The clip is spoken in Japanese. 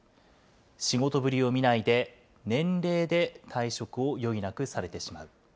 仕事ぶりを見ないで年齢で退職を余儀なくされてしまう。